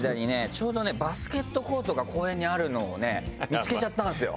ちょうどねバスケットコートが公園にあるのをね見つけちゃったんですよ。